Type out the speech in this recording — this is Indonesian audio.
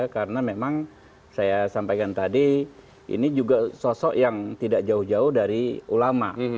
karena memang saya sampaikan tadi ini juga sosok yang tidak jauh jauh dari ulama